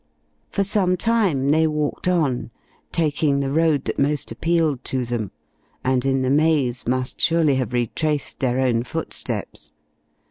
For some time they walked on, taking the road that most appealed to them, and in the maze must surely have retraced their own footsteps.